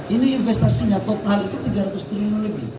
ini investasinya total itu tiga ratus triliun lebih